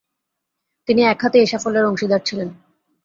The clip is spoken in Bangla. তিনি একহাতে এ সাফল্যের অংশীদার ছিলেন।